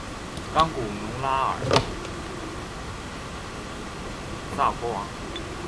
冈古农拉尔萨国王。